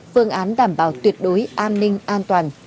phương án đảm bảo tuyệt đối an ninh an toàn